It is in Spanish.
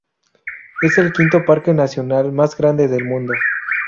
Es el quinto parque nacional más grande del mundo.